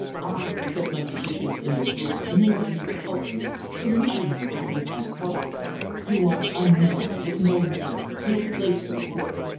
I, because my position in the world enabled me to help you, commissioned you to paint my portrait. You are unknown, with no name, no place in the world.